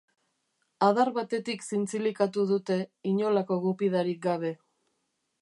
Adar batetik zintzilikatu dute, inolako gupidarik gabe.